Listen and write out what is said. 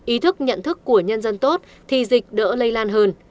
ý thức nhận thức của nhân dân tốt thì dịch đỡ lây lan hơn